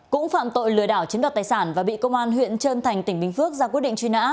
cũng phạm tội lừa đảo chiếm đoạt tài sản và bị công an huyện trơn thành tỉnh bình phước ra quyết định truy nã